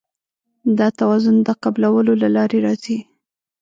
دا توازن د قبلولو له لارې راځي.